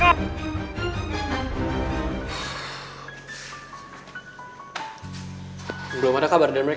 apus dah apus dah